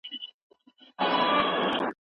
که کتاب ولولې نو پوهه به دې زياته سي.